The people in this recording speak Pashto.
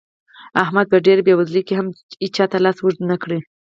احمد په ډېره بېوزلۍ کې هم هيچا ته لاس اوږد نه کړ.